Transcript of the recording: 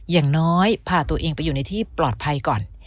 อย่างน้อยพาตัวเองไปอยู่ในที่ปลอดภัยก่อน